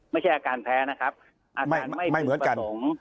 ไม่ใช่อาการแพ้นะครับอาการไม่พึงประสงค์